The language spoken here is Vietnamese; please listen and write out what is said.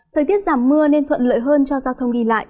thời tiết giảm mưa nên thuận lợi hơn cho giao thông đi lại